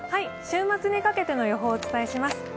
週末にかけての予報をお伝えします。